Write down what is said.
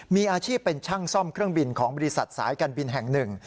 มีอาชีพเป็นช่างซ่อมเครื่องบินของบริษัทสายการบินแห่งหนึ่ง